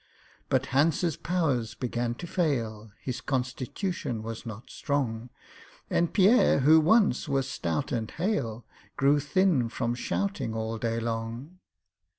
But HANCE'S powers began to fail— His constitution was not strong— And PIERRE, who once was stout and hale, Grew thin from shouting all day long.